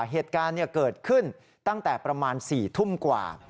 เหตุการณ์เกิดขึ้นตั้งแต่ประมาณ๔ทุ่มกว่า